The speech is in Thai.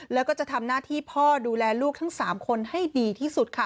แล้วก็จะทำหน้าที่พ่อดูแลลูกทั้ง๓คนให้ดีที่สุดค่ะ